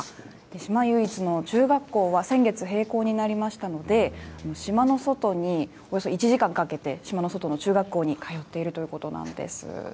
島唯一の中学校は、先月閉校になりましたので、島の外におよそ１時間かけて、島の外の中学校に通っているということなんです。